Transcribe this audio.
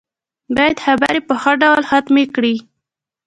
بايد خبرې په ښه ډول ختمې کړي.